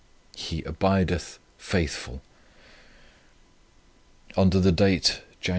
"HE ABIDETH FAITHFUL." Under the date Jan.